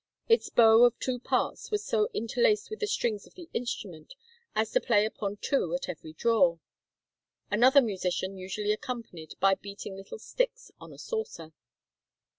Its bow of two parts was so interlaced with the strings of the instrument as to play upon two at every draw. Another musician usually accompanied by beating little sticks on a saucer.